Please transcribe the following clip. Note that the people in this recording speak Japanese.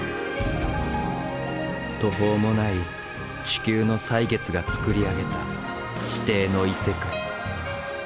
途方もない地球の歳月がつくり上げた地底の異世界。